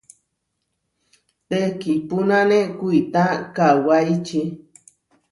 Teʼkipúnane kuitá kawáiči.